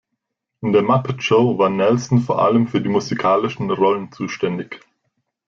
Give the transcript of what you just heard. In der "Muppet Show" war Nelson vor allem für die musikalischen Rollen zuständig.